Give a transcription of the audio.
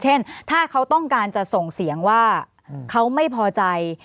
เช่นถ้าเขาต้องการจะส่งเสียงว่าเขาไม่พอใจ